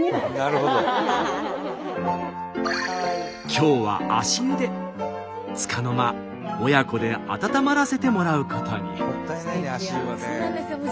今日は足湯でつかの間親子で温まらせてもらうことに。